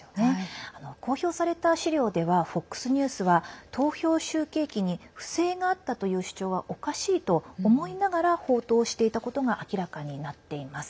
公表された資料ではＦＯＸニュースは投票集計機に不正があったという主張はおかしいと思いながら報道していたことが明らかになっています。